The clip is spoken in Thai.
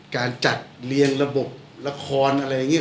การจัดเรียงระบบละครอะไรอย่างนี้